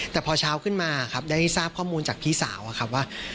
แต่พอเช้าขึ้นมาครับได้ทราบข้อมูลจากพี่สาวอะครับว่า